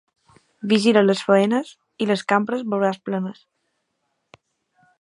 Vigila les faenes i les cambres veuràs plenes.